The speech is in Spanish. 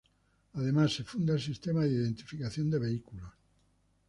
Además, se funda el sistema de identificación de vehículos.